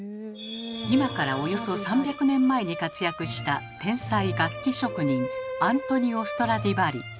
今からおよそ３００年前に活躍した天才楽器職人アントニオ・ストラディヴァリ。